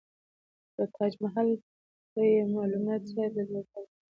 د تاج محل په يې معلومات ځاى په ځاى کړي دي.